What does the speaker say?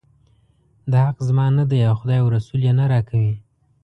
دا حق زما نه دی او خدای او رسول یې نه راکوي.